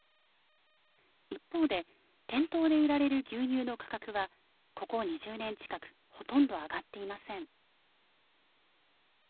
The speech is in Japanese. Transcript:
一方で、店頭で売られる牛乳の価格は、ここ２０年近く、ほとんど上がっていません。